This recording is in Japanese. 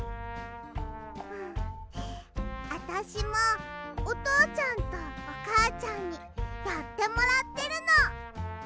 あたしもおとうちゃんとおかあちゃんにやってもらってるの。